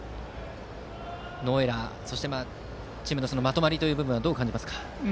ノーエラー、そしてチームのまとまりの部分どう感じますか？